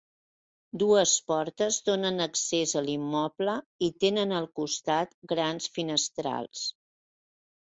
Dues portes donen accés a l'immoble i tenen al costat grans finestrals.